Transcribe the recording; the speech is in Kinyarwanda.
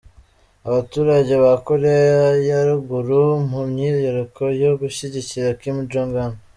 Abaturage ba Koreya ya ruguru mu myiyereko yo gushyigikira Kim Jong Un.